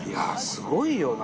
すごいよな。